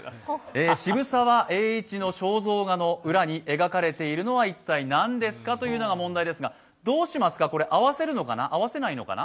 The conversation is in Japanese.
渋沢栄一の肖像画の裏に描かれているのは一体なんですかというのが問題ですがどうしますか、合わせるのかな、合わせないのかな？